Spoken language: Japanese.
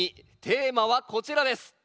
テーマはこちらです。